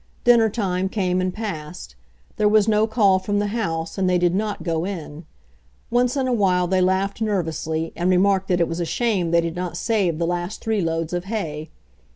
Dinner time came and passed. There was no call from the house, and they did not go in. Once in a while they laughed nervously, and remarked that it was a shame they did not save the last three loads of hay.